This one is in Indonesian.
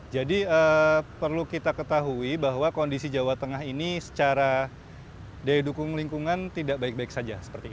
jadi perlu kita ketahui bahwa kondisi jawa tengah ini secara daya dukung lingkungan tidak baik baik saja